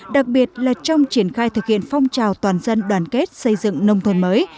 đặc biệt là trong triển khai thực hiện phong trào toàn dân đoàn kết xây dựng nông thôn mới